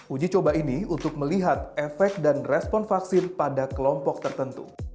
uji coba ini untuk melihat efek dan respon vaksin pada kelompok tertentu